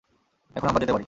এখন আমরা যেতে পারি।